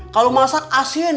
kalau masak asin